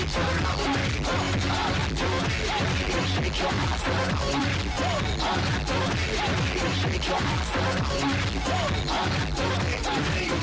ต้องบอกว่าโชว์นี้จากบาร์ดธินเดอร์เนี่ย